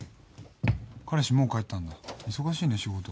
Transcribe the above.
彼氏もう帰ったんだ忙しいね仕事。